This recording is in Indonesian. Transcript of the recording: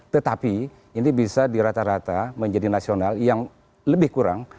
tetapi ini bisa dirata rata menjadi nasional yang lebih kurang